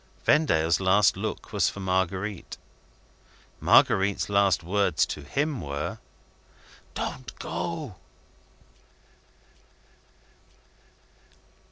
Vendale's last look was for Marguerite. Marguerite's last words to him were, "Don't go!"